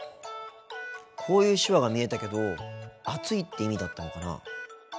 こういう手話が見えたけど暑いって意味だったのかな。